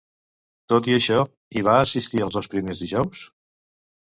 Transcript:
Tot i això, hi va assistir els dos primers dijous?